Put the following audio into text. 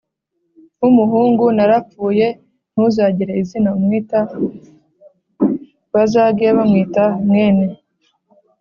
w'umuhungu narapfuye, ntuzagire izina umwita, bazage bamwita mwene